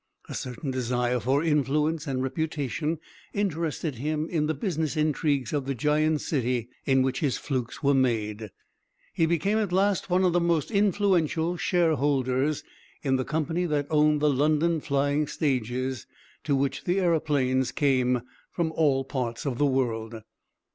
A certain desire for influence and reputation interested him in the business intrigues of the giant city in which his flukes were made. He became at last one of the most influential shareholders in the company that owned the London flying stages to which the aëroplanes came from all parts of the world.